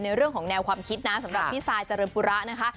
เรื่องของแนวความคิดนะสำหรับพี่ซายเจริญปุระนะคะ